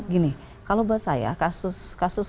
gini kalau buat saya kasus kasus